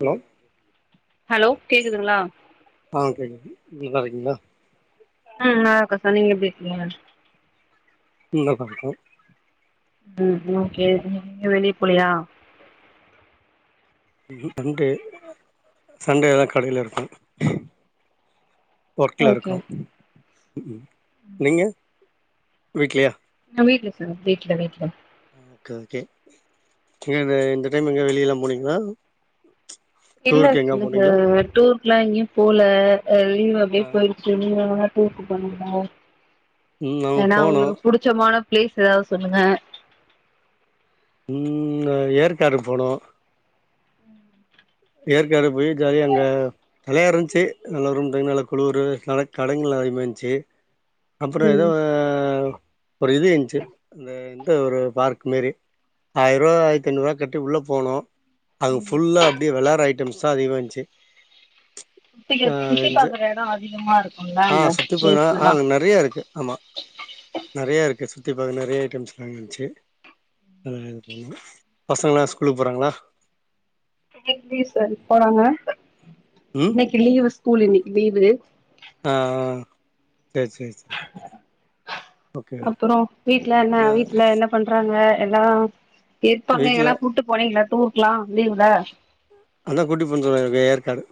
hello hello கேக்குதுங்ளா ஆ கேக்குது நீங்க நல்லாருக்கீங்ளா உம் நல்லார்க்க சார் நீங்க எப்டி இருக்கிங்க ம் நல்லார்க்கோ உம் ஓகே நீங்க வெளிய போலியா ம் சண்டே சண்டேதா கடைல இருப்ப ஒர்க்கல ஓகே இர்க்கோ ம் நீங்க வீட்லியா நா வீட்ல சார் வீட்ல வீட்ல ஆ, ஓகே ஓகே நீங்க இந்த டைம் எங்கயாது வெளிய எல்லா போனீங்ளா இல்ல இல்ல சுர் டூருக்லா எங்கியு போல அ லீவ் அப்டியே ஆ போயிருச்சு [unintelligible] டூருக்கு போனீங்களா ம் நாங்க ஏனா போனோ உங்ளுக்கு புடிச்சமான ப்ளீஸ் எதாவது சொல்லுங்க உம் ஏற்காடுக்கு போனோ ஏற்காடு போய் ஜாலியா அங்க நெறையா இருந்துச்சு நல்லா [unintelligible] மேல குழுரு ஆனா கடைங்களா அதிகமா இருந்துச்சு அப்றோ எதோ ம் ஒரு இது இஞ்சு அந்த ஒரு பார்க் மேரி ஆயிருவா ஆயிரத்தைநூறுருவா கட்டி உள்ள போனோ அது ம் ஃபுல்லா [unintelligible] ஐட்டம்ஸ் தா அதிகமா இருந்திச்சு சுத்தி ஆ சுத்தி பாக்குற எடோ அதிகமா இருக்கும்ல [unintelligible] ஆ அங்க சுத்தி போனா பிளேஸ்லல்லா ஆஹ நிறைய இருக்கு ஆமா நிறைய இருக்கு சுத் சுத்தி பாக்க நெறைய ஐட்டம்ஸ்லா இருந்துச்சு [unintelligible] பசங்கல்லா ஸ்கூலுக்கு போறாங்களா வீக் டேஸ்ல போறாங்க ம் இன்னைக்கு லீவு சா ஸ்கூல் இன்னிக்கு லீவு ஆ ஆ சேரி சேரி சேரி ஓகே அப்புறோ வீட்ல என்ன ஆனா வீட்ல என்ன பண்றாங்க எல்லா இருப்பாங்க வீட்ல எங்கனா கூட்டு போனீங்களா டூர்க்கலா லீவ்ல அதா கூட்டி போ சொன்னாங்க ஏற்காடு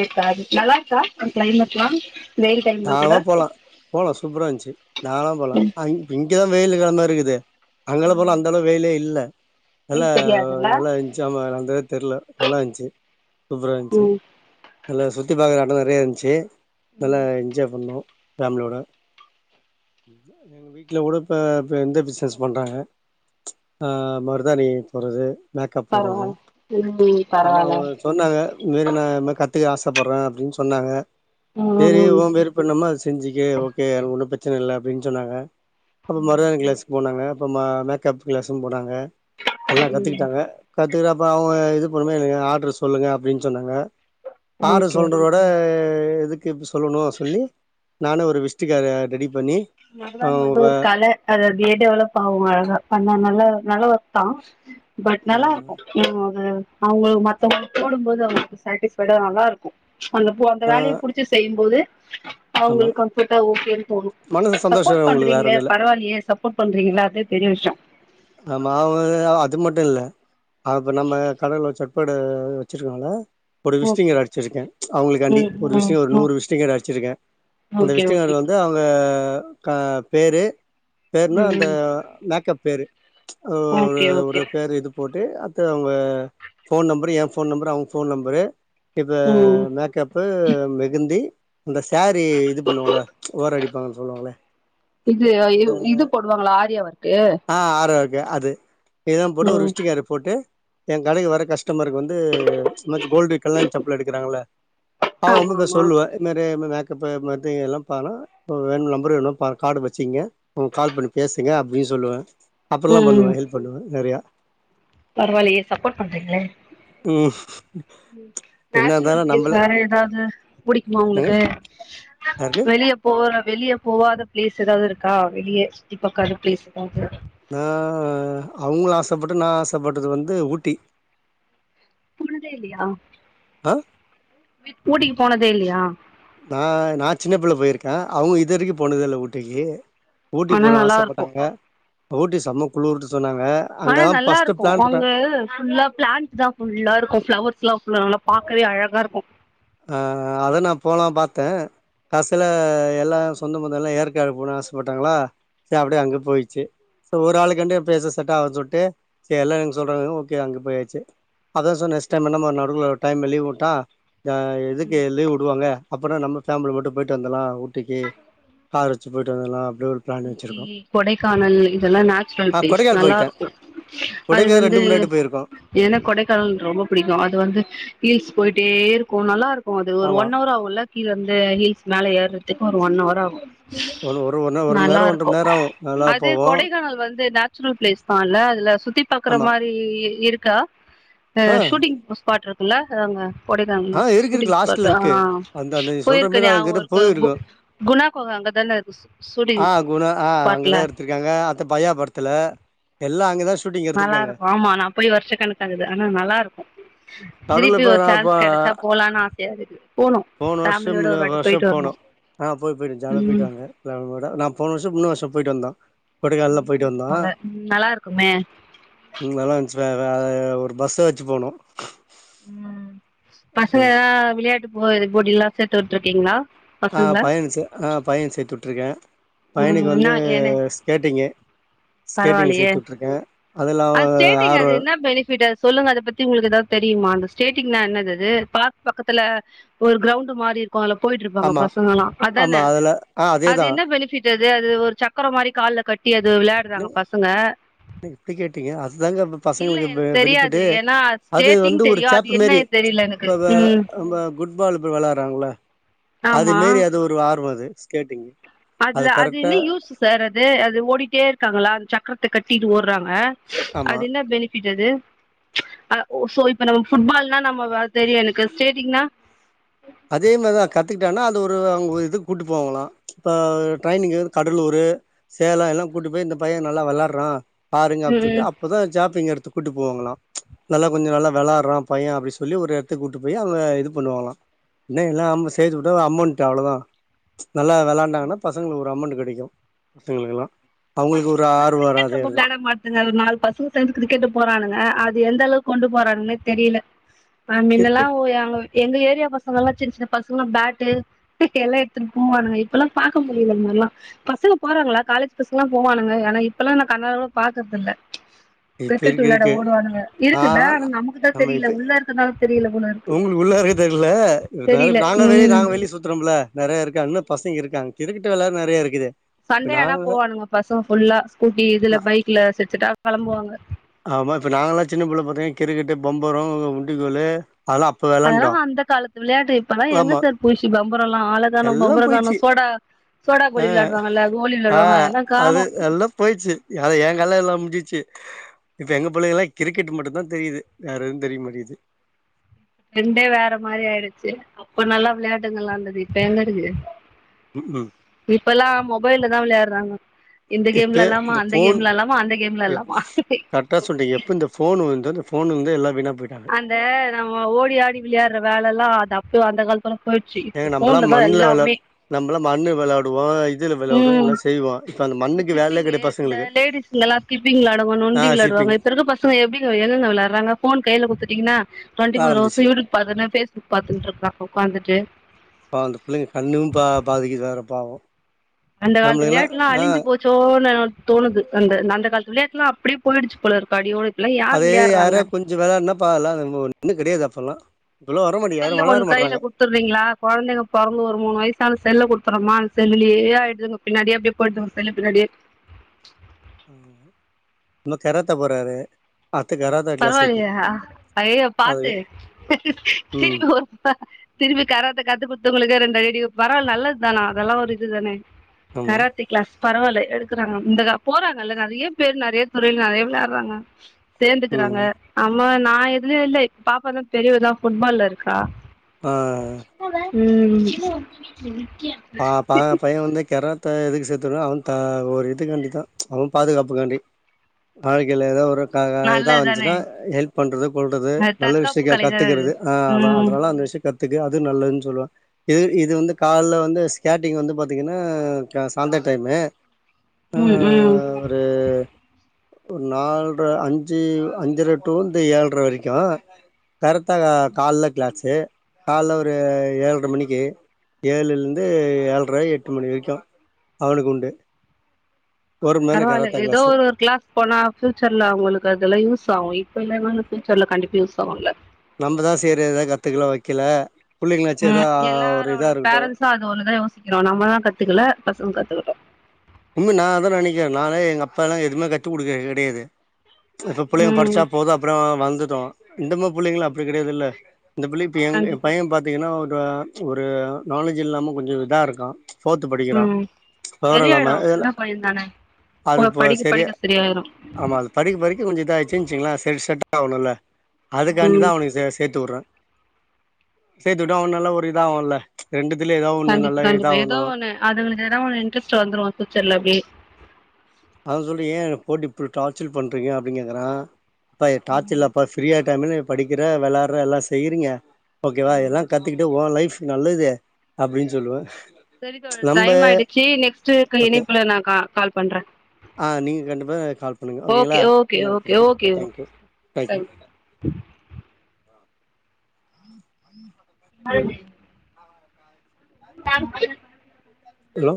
ஏக்கா நல்லார்க்கா அங்க கிளைமேட்ல்லாம் தாராளமா போலாம் போலாம் சூப்பரா இந்துச்சு தாராளமா போலாம் இங்கதான் வெயிலு காலமா இருக்குது அங்கெல்லாம் போனா அந்த அளவு வெயிலே இல்ல நல்லா வெயில் தெரியாதுல்ல நல்லா இருந்துச்சு ஆம அந்த அளவு தெரியல நல்லா இருந்துச்சு சூப்பரா இருந்துச்சு ம் இதுல சுத்தி பாக்குற இடம் நறைய இருந்துச்சு நல்லா ம் என்ஜாய் பண்ணோ ஃபேமிலியோட எங்க வீட்ல கூட இப்போ இந்த பிஸ்னஸ் பண்றாங்க ஆ மருதாணி போடறது மேக்கப் போடறது பரவால்ல ம் ஆனா பரவால்ல அவங்க சொன்னாங்க இத மாரி நா கத்துக்க ஆசப்படறே அப்டின்னு சொன்னாங்க ம்ம்ம் ப்ப என்னமோ அத செஞ்சுக்க ஓகே எனக்கொன்னு பிரச்னை இல்ல அப்டின் சொன்னாங்க அப்ற மருதாணி கிளாஸ் போனாங்க அப்போ ம மேக்கப் கிளாஸு போனாங்க எல்லா ம் ம் கத்துக்கிட்டாங்க கத் துட்டு அப்ற அவங்க இது பொறுமையா எனக்கு ஆர்டர் சொல்லுங்க அப்டின் சொன்னாங்க ஆடர் ஓகே ஓகே சொல்றதோட ப்ப எதுக் கு சொல்லணு சொல்லி நானு ஒரு விஷ்ட் காடு ரெடி பண்ணி மருதானி வந்து அவங்க ஒரு கல அது அப்டியே டெவலப் ஆகு அழகா பண்ண நல்ல நல்ல வொர்க்தா பட் நல்லாருக்கு ம் அது அவங்ளுக்கு மத்தவங்களுக்கு போடும்போது அவங்களுக்கு சேட்டிஸ்ஃபைடா நல்லாருக்கு அந்த பு அந்த ஆ வேலய புடிச்சு செய்யும்போது ஆமா அவங்களுக்கு கம்ஃபோர்ட்டா ஓகேன் தோணு மனசு சந்தோஷ சப்போர்ட் அவங்களுக்கு வேற பண்றிங்ளே ஒன்னு இல்ல பரவாலியே சப்போர்ட் பண்றிங்கள அதுவே பெரிய விஷய ஆமா அவங்க அது மட்டு இல்ல அப்ப நம்ம கடல வெச்ச கட வெச்சிருக்காங்ள ஒரு விசிட்டிங் ஓகே கார்டு அடிச்சிருக்கே அவங்களுக்காண்டி ம் ஒரு ம் விசிட்டிங் ஒரு ம் நூறு விசிட்டிங் கார்டு அடிச்சிருக்கே அந்த ஓகே விஷ்டிங்காடு ஓகே வந்து அவங்க க க பேரு பேர்னா அந்த ம் மேக்கப் பேரு ஓ அவளோட ஓகே ஒரு ஓகே பேரு இது போட்டு அத அவங்க போன் நம்பரு ஏ போன் நம்பரு அவங்க போன் நம்பரு இப்போ ம் மேக்கப்பு மெஹந்தி இந்த சேஃரி இது பண்ணுவோம்ல ஓர அடிப்போ சொல்லுவாங்கள இது இது போடுவாங்களா ஆரியா வொர்க் அஹ ஆரி எ அது இதும் போட்டு ஒரு ம் விசிட்டிங் கார்டு போட்டு என் கடைக்கு வர காசு கஸ்டமருக்கு வந்து கோல்டு கல்யாண சப்பல் எடுக்கிறாங்கள ஆ இன்னு ஆமா போய் ஆமா சொல்லுவ இது மாரி இன்ன மேக்கப் இப்ப பாத்தீங்கன்னா வேணு நம்பர் காடு வெச்சுங்கங்க கால் பண்ணி பேசுங்க அப்டின்னு சொல்லுவே அப்டில்லா பண்ணுவ ஹெல்ப் பண்ணுவ நெறையா பரவாளியே சப்போர்ட் பண்றீங்களே ம் என்ன நேச்சுரல் இருந்தாலு ப்ரைஸ்ல்ல நம்பள வேற எதாவது புடிக்குமா என்னங்க உங்களுக்கு யாருக்கு வெளியே போ இப்ப வெளிய போவாத பிளேஸ் எதாவ்து இருக்கா வெளிய சுத்தி பாக்காத பிளேஸ் இருக்கா ஹ அவங்களு ஆசப்பட்டு நானு ஆசப்பட்டது வந்து ஊட்டி ஃபுல் டே இல்லயா ஆ ஊட்டிக்கு போனதே இல்லயா நா நா சின்ன புள்ள போயிருக்க அவுங்க இதுவரைக்கு போனதே இல்ல ஊட்டிக்கி ஊட்டி ஆனா போனு நல்லா இருக்கும் ஆசப்பட்டாங்க ஊட்டி சம்ம குளூரு ப்பா ஆனா நல்லா இருக்கு அங்க ஃபுல்லா பிளான்ட் தா ஃபுல்லா இருக்கும் ஃபிளவர் சில்லா ஃபுல்லா நல்லா பாக்கவே அழகா இருக்கு ஆஹ் அதான் நான் போலா பாத்தன் காசில எல்லா சொந்த பந்தல்லா ஏற்காடு போணு ஆசப்பட்டாங்களா சே அப்டியே அங்க போயிச்சு சோ ஒரு ஆளுக்கண்டி பேச செட்டாவதுனு சொல்ட்டு செரி எல்லா எங்க சொல்றாங்க ஓகே அங்க போயாச்சு அதா சோ நெஸ்ட் டைம் என்னம ஒரு டைம்ல ஒரு லீவ் வுட்டா யா எதுக்கு லீவ் வுடுவாங்க அப்பனா நம்ம ஃபேம்லி மட்டு போயிட்டு வந்தலா ஊட்டிக்கு கார் வெச்சு போய்டுவந்தரெல்லா ஊட்டி கொடைக்கானல் இதெல்லா நேச்சுரல் ஆ பிளேஸ் கொடைக்கானல் நல்லா போயிட்டே இருக்கு அது கொடைக்கானல் வந்து ரெண்டு மூணு வாட்டி போயிருக்கோ ஏன்னா கொடைக்கானல் ரொம்ப பிடிக்கு அது வந்து ஹீல்ஸ் போயிட்டே இருக்கு நல்லாருக்கு போ அது ஒரு ஆமா ஒன் அவர் ஆவுள்ல கீழ இருந்து ஹில்ஸ் மேல ஏர்றத்துக்கு ஒரு ஒன் அவர் ஆகு ஒரு ஒரு ஒன்னவர் ஒரு மண் நல்லா நேர ஒன்ற மண் நேர ஆவு நல்லா போகு து நேச்சுரல் பிளேஸ்தா இல்ல அதுல சுத் தி பாக்கற ஆமா மாறி இருக் கா அ ஆ ஷூட்டிங் ஸ்பாட் இருக் கில்ல அங்க கொடைக்கான்ல ஆ இருக்கு இருக்கு ஷீட்டிங் ஸ்பாட் லாஸ்ட்ல ஆ இருக்கு அந்த அந்த நீ சொல்ற போயிருக்க மாரி நியாபக அங்கிட்டு இருக்கு போயிருக்கோ கு குணா குக அங்கதான இருக்கு ஷூட்டிங் ஆ குணா ஆ ஸ்பாட்ல அங்கதா எடுத்திருக்காங்க அத்த பையா படத்துல எல்லா அங்கதா சூ நல்லாருக்கு ஆமா நா போய் வருஷ கணக்காகுது ஆனா நல்லாருக்கு நடுவுல திருப்பி இப்ப ஒரு சா ன்ஸ் கெடைச்சா போலான்னு ஆச யாருக்கு போனுவருஷம் முன்ன வருஷம் போனோ ஆ போய் போயிட்டு ஜால்யா போயிட்டு ம் வாங்க ஃபேமிலியோட நா போன வருஷ முந்துன வருஷ போயிட்டு வந்தோ கொடைகானல்தா போயிட்டு கூட்டு வந்தோ போல நல்லா இருக்குமே ம் நல்லா இருந்ச்சி வெ வ அ ஒரு பஸ்ஸ வெச்சு போனு ம் பசங்க லா விளையாட்டுப் மோ இதுக் போடில்லா சேத்து விட்ருக்கீங்ளா ஆ பையன சே ஆ பையன் சேத்து உட்ருக்கே ம் இன்னா என்ன ஸ்கேட்டிங் பரவால்லையே சேத்து விட்ருக்கே அதுல அவ அ ஸ்டேட்டிங் ஆர்வோ அது என்ன பெனிஃபிட் அது சொல்லுங்க அத பத்தி உங்குளுக்கு ஏதாவது தெரியுமா அந்த ஸ்டேட்டிங் நா என்னது அது பாக் பக்கத்துல ஒரு கிரௌண்டு மாரி இருக் கோ அதுல போயிட்டுருப்பாங்க ஆமா பசங்கல்லா ஆமா அதான்ன அதுல ஆ அது அதேதா என்ன பெனிபிட் ந்தது அது ஒரு சக்கரோ மாரி கால்ல கட் டி அது விளையாடுறாங்க என்னங்க பசங்க இப்படி கேட்டீங்க அதுதாங்க இல்ல பசங்களுக்கு பெ எனக்கு பெனிஃபிட் தெரியாது ஏன்னா அது ஸ்கேடிங் வந்து ஒரு தெரியும் அது சேப்பு மாரி என்னயே தெரியில எனக்கு ம் ட்பால் இப்ப வெளாட்றாங்கள்ல அது ஆமா மேரி அது ஒரு ஆர்வோ அது ஸ்கேட்டிங்கு அதுல அது என்ன யூஸ் சார் அது அது ஓடிட்டே இரு காங்களா அந்த சக்கரத்த கட்டிட்டு ஓட்றாங்க ஆமா அது என்ன பெனிஃபிட் அது சோ இப்ப நம்ம ஃபுட்பால்னா நம்ம தெரியு எனக்கு ஸ்டேடிங்னா அதே மாரிதா கத்துக்கிட்டேனா அது ஒரு அவுங்க இதுக்கு கூட்டி போவாங்களலா இப்ப ட்ரரையனிங்கு வந்து கடலூர் சேலம் எல்லாம் கூட்டி போய் இந்த பையன் நல்லா வெளாட்றான் பாருங்க அப்சு ம் சொல்லட்டு அப்பதா சாப்பிங்க எடுத் கூட்டிட்டு போவாங்கலா நல்லா கொஞ்சோ நல்லா வெளாடுறா பையன் அப்டின்னு சொல்லி ஒரு இடத்த கூட்டு போய் அவுங்க இது பண்ணுவாங்களா என்ன எல்லாம் சேர்த்து விட்டா அமௌண்ட் அவ்ளோதா நல்லா விளாண்டாங்கன்னா பசங்களுக்கு ஒரு அமௌண்ட் கெடைக்கும் எங்களுக்கெல்லா பசங்க இப்பலா கிரிக்கெட் ரொம்ப வெளாட மாட்டாங்க ஒரு நாள் பசங்க சேந்து கிர்கெட்டுக்கு போறானுங்க அது எந்த அளவுக்கு கொண்டு போறானுகன்னே தெரியல ஆ முன்னெல்லா கிரிக்கெட் ஓ எங்க ஏத் [unintelligible] பசங்க எல்லா சின்ன சின்ன பசங்கலாம் பேட்டு [unintelligible] எல்லா எடுத்து ட்டு போவானுங்க இப்பெல்லா பாக்க முடியுது மாரிலா பசங்க போறாங்களா காலேஜ் பசங் போவானுங்க ஆனா இப்பெல்லா நா கண்ணால கூட பாக்குறதல்ல இப்ப இருக்கு இருக்கு நாள ஆனா நமக்குதா நம்ம தெரியல கிட்டு உள்ள இருக்கனால தெரியல போல இப்ப இருக்கு உங்களுக்கு உள்ளார்ருக்க தெர்ல இவே தெரியல [unintelligible] நாங்க வெளிபோய் ம் நாங்க வெளிய சுத்துறோம்ல நெறைய இருக்கா இன்னு பசங்க இருக்காங்க கிரிக்கெட்டு வெளையாட நெறையா இருக்கிது சண்டே ஆனா போவானுங்க பசோங்க ஃபுல்லா ஸ்கூட்டி இதுல பைக்ல செட்செட்டா கெளம்புவாங்க ஆமா இப்ப நாங்க எல்லா சின்ன புள்ளை பாத்தீங்க கிரிக்கெட்டு பம்பரோ உண்டி கொறழு அதெல்லா அப்ப அதெல்லா வெளாண்டோ அந்த காலத்து விளையாட்டு இப்பா எங்க ஆமா சார் பூஷி பா எல்லா போயிடுச்சு சோடா அ கோலி விளையாடுவாங்கல்ல கோலி ஆ விளையாடுவாங்க அதெல்லா அது காணோ எல்லாம் போயிச்சு ஏார என் காலம் எல்லாம் முடிஞ்சிச்சு இப்ப எங்க புள்ளைங்கல்லா கிரிக்கெட் மட்டும்தா தெரியுது வேற எதுவும் தெரிய மாட்டுகிது ரெண்டே வேற மாரி ஆயிடுச்சு அப்ப நல்லா விளையாட்டுங்கல்லாம் இருந்தது இப்ப எங்க இருக்கு ம் இப்பல்லா மொபைல்லதா விளையா தாங்க இப்பே இந்த ஃபோன் கேம்ல இப் இல்லாமா கரெக்டா சொல்ரீங்க எப்ப இந்த ஃபோன் வந்துதோ ஃபோன் வந்து எல்லாவீனாப் அந்த நம்ம ஓடி ஆடி விளையாடுற வேல அதல்லா அது அப்பயோ அந்த காலத் ஏங்க நம்மல்லாம் மண்ணுல வெளா நம்மலா மண்ணு வெளையாடுவோம் ம் இந்த வேலையே சிப்பிங்க கெடையாது இந்த பசங்களுக்கு லேடிஸ்ங்க எல்லா சிக்ப்பிங் வெளாடுவாங்க ஆ நொன்டி சிப்பிங்க வெளாயாடுவாங்க இப்ப இருக்க பசங்க எப்டிங்க எங்கங்க விளாயாடுறாங்க ஃபோன் கையில குடுத்துட் இனா டுவென்டி ஃபோர் ஆரம்பிச்சு ஹவர்ஸு யூடியூப் பாத்துனு பேஸ்புக் பாத்துன்னுட்ருக்கா உக்காந்துட்டு அப்ப அந்த புள்ளைங்க கண்ணும் பா பாதிக்குது வேற பாவோ அந்தக் காலத்து நம்மளுக்கெல்லா விளாயாட்டுல்லா ஆ அழிஞ்சு போச்சோனு தோணுது அந்த அந்த காலத்து விளையாட்டுலா அப்டி போயிடுச்சு போல இருக்கு அடியோட இப் அதே யாரா கொஞ்சும் விளையாடுனா பலாம் ஒன்னு கிடையாது அப்பல்லாம் செல்லு ஒரு கையில குடுத்துடுறீங்களா குழந்தைங்க பொறந்து ஒரு மூணு வயசான செல்ல குடுத்து றமா அந்த செல்லுலேயே ஆயிடுதுங்க பின்னாடியே அப்டியே போயிடுங்க செல்லு பின்னாடியே நம கராத்த போறாரு அத்த கராத்தே கிளாஸ் சேத்து விட்டே பரவாயில்லயா ஐயோ அது பாத்து ம் திருப்பி கு திருப்பி கராத்த கத்து குடுத்தவங்களுக்கு ரெண்டு ரெடி பரல அல்லது தான அதல்லாம் ஒரு இ இது தானே ஆமா கராத்தை க்ளாஸ் பரவாயில்ல எடுக்குறாங்க இந்த போறாங்க இல்ல நெறைய பேர் நெறைய துறைல நெறைய விளையாடுறாங்க சே இருக்கறாங்க ம் ஆம் இப்ப நா எதுலே இல்லை பாப்ப தான் பெரியவுதான் ஃபுட்பால்ல இருக்கா ஆஹ் உம் ஆ ப பையன் வந்து கரா த்தே எதுக்கு சேர்த்துனா அவன் த ஒரு இதுக்காண்டி தான் அவன் பாதுகாப்புக்காண்டி வாழ்க்கையில் ஏதோ ஒரு இதா நல்லது தானே வந்துச்சுன்னா ஹெல்ப் பண்றது கொல்றது அது நல்ல தற்காப்பு விஷய கலை தானே அது கத்துக்குறது ஆஹ் அத ம் அதனால அந்த விஷயம் கத்துக்கு அது நல்லதுன்னு சொல்லுவேன் இது இது வந்து கால்ல வந்து ஸ்கேட்டிங் வந்து பாத்தீங்கன்னா சாந்தர டைமு ம் ம் ஆஹ் ஒரு ஒரு நாலரை அஞ்சு அஞ்சரை டூ வந்து ஏழரை வரைக்கும் கரெக்டா க கால்ல கிளாஸு கால்ல ஒரு ஏழரை மணிக்கு ஏழுல இருந்து ஏழ்ர எட்டு மணி வரைக்கும் அவனுக்கு உண்டு ஒரு மணி நேர பரவாயில்ல கராத்தே ஏதோ கிளாஸு ஒரு கிளாஸ் போனா ஃபீயூச்சர்ல அவங்களுக்கு அதெல்லாம் யூஸ் யூஸ் ஆவும் இப்ப இல்ல ஃபியூச்சர்ல கண்டிப்பா யூஸ் ஆகும்ல நம்மதான் சரி ஏதும் கத்துக்கல வைக்கல பிள்ளைங்களாச்சும் ம் ஏதா ஒரு இதா இருக்கட்டும் சிக்றோம் நம்மதான் கத்துக்கல பசங்க கத்துக்கட்டும் உண்மை நான் அதான் நினைக்கிறேன் நான எங்க அப்பா எல்லாம் எதுவுமே கத்துகுடுக்க கிடையாது இப்ப பிள்ளைங்க படிச்சா ம் போதும் அப்புறம் வந்துட்டோம் இந்தமா புள்ளைங்களா அப்டி கெடையாது இல்ல இந்த பிள்ளை இப்ப எங்க கண்டிப்பா பையன் பாத்தீங்கன்னா ஒரு ஆ ஒரு நாலேஜ் இல்லாம கொஞ்சம் இதா இருக்கான் ஃபோர்த்து படிக்கறான் ம் வெவரம் இல்லாம சரியாயிடு சின்ன பையன் தானே போ அதுப்ப படிக்க சரிய படிக்க சரியாயிரு ஆமா அது படிக்க படிக்க கொஞ்சம் இதச்சிருச்சுனு வெச்சுக்ங்களே சரி செட் ஆகனுல்ல அதுக்காண்டிதா ம் அவனுக்கு சே சேத்து வுட்ற சேத்திவுட்டா அவன் நல்லா ஒரு இதா ஆகும்ல கண்டிப்பா கண்டிப்பா ஏதோ ஒன்னு அதுங்களுக்கு தா ஒன்னு இன்ட்ரெஸ்ட் வந்துரோ ஃப்யூசர்ல அப்டியே அத சொல்லி ஏன் போட்டிப் இப்டி டார்ச்சர் பண்றீங்க அப்டினு கேக்கறா அப்ப டார்ச் இல்லப்பா ஃப்ரீயா டைம்ல படிக்கிற வெளாடற எல்லா செய்யூறீங்க ஓகேவா இதல்லா கத்துட்டு ஓ லைஃப் நல்லது அப்டீன்னு சொல்லுவ சரி தோழர் டைம் ஆயிடுச்சு நெக்ஸ்ட் ஓகே இனணப்புல நா கா கால் பண்ற ஆ நீங்க கண்டிப்பா கால் பண்ணுங்க ஓகேங்களா okay okay okay okay thank you thank you thanks [unintelligible] thank you hello